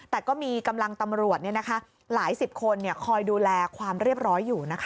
แต่ก็มีกำลังตำรวจหลายสิบคนคอยดูแลความเรียบร้อยอยู่นะคะ